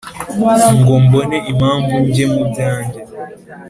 ngo mbone impamvu njye mu byanjye